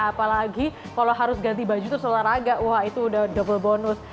apalagi kalau harus ganti baju terus olahraga wah itu udah double bonus